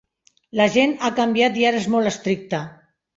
La gent ha canviat i ara és molt estricta.